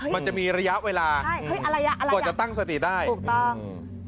มันจะมีระยะเวลาก็จะตั้งสติได้ถูกต้อง